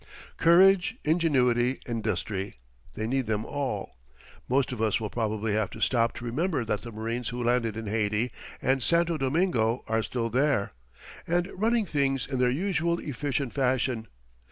Courage, ingenuity, industry they need them all. Most of us will probably have to stop to remember that the marines who landed in Haiti and Santo Domingo are still there. And running things in their usual efficient fashion.